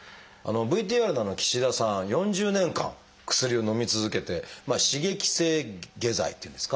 ＶＴＲの岸田さん４０年間薬をのみ続けて刺激性下剤っていうんですか。